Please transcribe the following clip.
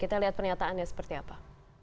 kita lihat pernyataannya seperti apa